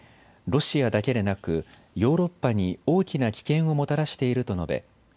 ロシアだけでなくヨーロッパに大きな危険をもたらしていると述べ